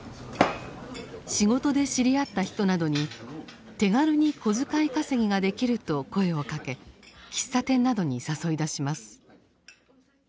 仕事で知り合った人などに「手軽に小遣い稼ぎができる」と声をかけ喫茶店などに誘い出します。